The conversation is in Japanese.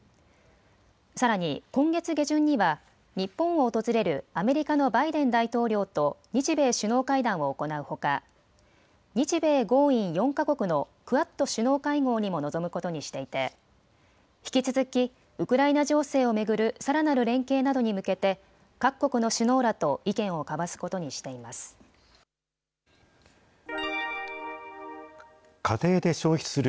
さらに今月下旬には、日本を訪れるアメリカのバイデン大統領と日米首脳会談を行うほか、日米豪印４か国のクアッド首脳会合にも臨むことにしていて、引き続きウクライナ情勢を巡るさらなる連携などに向けて、各国の首脳らと意見を交わすことにしています。